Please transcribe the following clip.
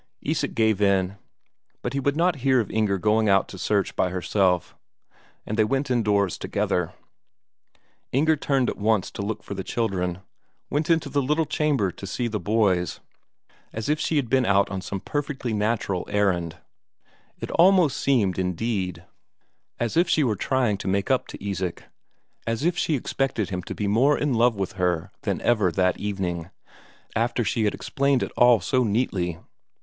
Isak gave in. But he would not hear of Inger going out to search by herself. And they went indoors together. Inger turned at once to look for the children; went into the little chamber to see to the boys, as if she had been out on some perfectly natural errand; it almost seemed, indeed, as if she were trying to make up to Isak as if she expected him to be more in love with her than ever that evening after she had explained it all so neatly.